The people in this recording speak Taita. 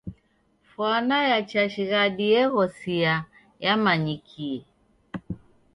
Fwana ya chashighadi eghosia yamanyikie.